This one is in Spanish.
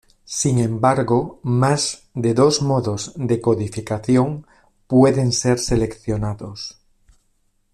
Sin embargo más de dos modos de codificación pueden ser seleccionados.